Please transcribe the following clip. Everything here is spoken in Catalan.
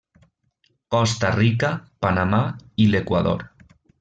Costa Rica, Panamà i l'Equador.